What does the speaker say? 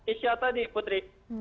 isyata di putri